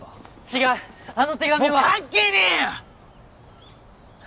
違うあの手紙はもう関係ねえよ！